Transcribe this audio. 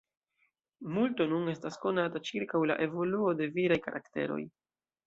Multo nun estas konata ĉirkaŭ la evoluo de viraj karakteroj.